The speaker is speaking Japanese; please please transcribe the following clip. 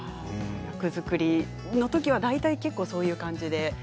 役作りのときは大体そういう感じで。